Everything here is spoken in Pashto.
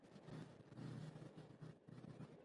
زه تل بریا ته هیله لرم.